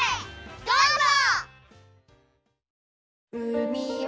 どうぞ！